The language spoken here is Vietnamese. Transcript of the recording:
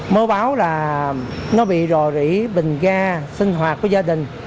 mới báo là nó bị rò rỉ bình ga sinh hoạt của gia đình